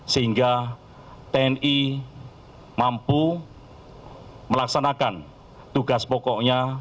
sehingga tni mampu melaksanakan tugas pokoknya